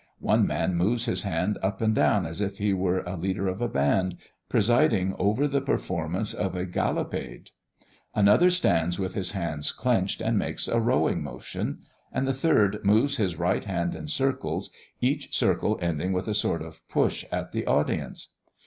One man moves his hand up and down as if he were the leader of a band presiding over the performance of a gallopade; another stands with his hands clenched, and makes a rowing motion; and the third moves his right hand in circles, each circle ending with a sort of push at the audience.